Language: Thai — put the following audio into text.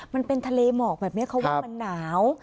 มันเป็นทะเลหมอกแบบนี้เขาว่ามันหนาว